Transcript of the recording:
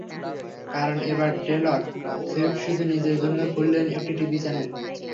কারণ, এবার Taylor Swift শুধু নিজের জন্যই খুললেন একটি টিভি চ্যানেল।